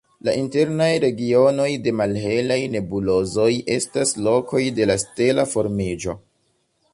La internaj regionoj de malhelaj nebulozoj estas lokoj de la stela formiĝo.